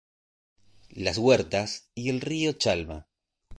Las Huertas y el río Chalma.